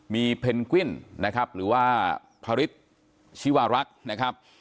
มีเพนกวิ้นนะครับหรือว่าพระฤทธิ์ชีวารักษ์นะครับ